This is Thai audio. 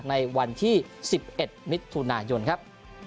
ในวันที่๑๑มิถุนายนครับ